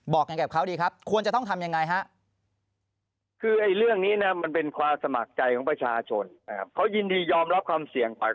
บอกกันแก่เขาดีครับควรจะต้องทำอย่างไรฮะ